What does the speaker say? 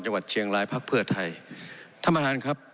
จังหวัดเชียงรายพักเพื่อไทยท่านประธานครับ